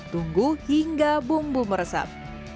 tunggu hingga bumbu meresap